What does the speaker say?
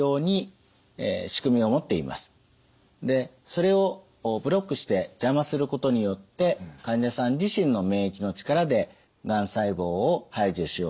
それをブロックして邪魔することによって患者さん自身の免疫の力でがん細胞を排除しようという薬です。